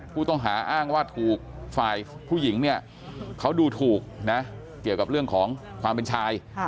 ผู้ต้องหาอ้างว่าถูกฝ่ายผู้หญิงเนี่ยเขาดูถูกนะเกี่ยวกับเรื่องของความเป็นชาย